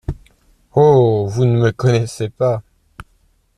Oh ! vous ne me connaissez pas !